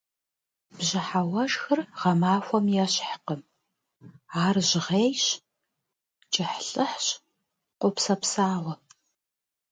Бжьыхьэ уэшхыр гъэмахуэм ещхькъым, ар жьгъейщ, кӏыхьлӏыхьщ, къопсэпсауэ.